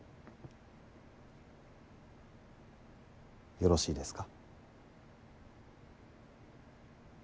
よろしいですか？